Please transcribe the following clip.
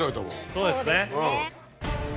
そうですね。